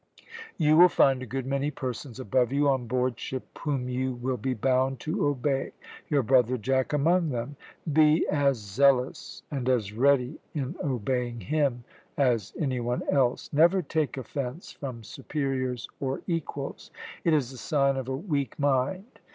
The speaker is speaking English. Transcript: You will find a good many persons above you on board ship whom you will be bound to obey your brother Jack among them. Be as zealous and as ready in obeying him as any one else. Never take offence from superiors or equals; it is the sign of a weak mind.